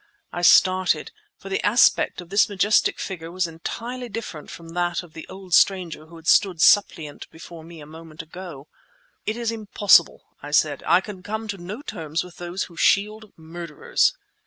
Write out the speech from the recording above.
I started, for the aspect of this majestic figure was entirely different from that of the old stranger who had stood suppliant before me a moment ago. "It is impossible," I said. "I can come to no terms with those who shield murderers."